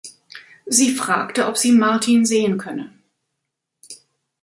Sie fragte, ob sie Martin sehen könne.